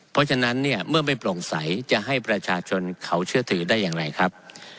เพราะฉะนั้นเนี่ยเมื่อไม่โปร่งใสจะให้ประชาชนเขาเชื่อถือได้อย่างไรครับ